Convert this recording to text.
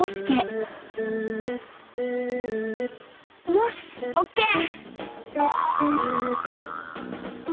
よしオッケー！